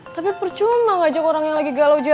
tapi percuma ngajak orang yang lagi galau juga